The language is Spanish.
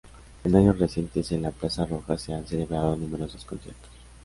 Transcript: En años recientes en la Plaza Roja se han celebrado numerosos conciertos.